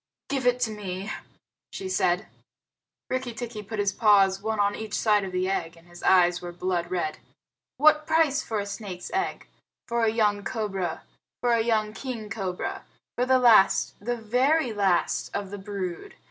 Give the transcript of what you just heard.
Give it to me," she said. Rikki tikki put his paws one on each side of the egg, and his eyes were blood red. "What price for a snake's egg? For a young cobra? For a young king cobra? For the last the very last of the brood?